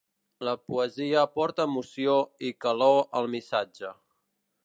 La poesia aporta emoció i calor al missatge.